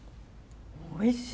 おいしい！